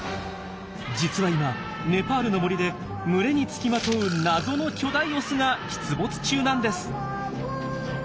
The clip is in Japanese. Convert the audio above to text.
実は今ネパールの森で群れにつきまとう謎の巨大オスが出没中なんです！